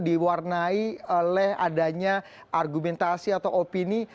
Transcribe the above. diwarnai oleh adanya argumentasi atau opini